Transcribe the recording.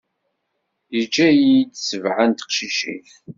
Yeǧǧa-yi-d sebɛa n teqcicin.